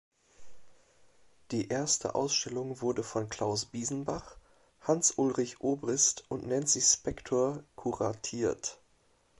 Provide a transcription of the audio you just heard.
Die erste Ausstellung wurde von Klaus Biesenbach, Hans-Ulrich Obrist und Nancy Spector kuratiert.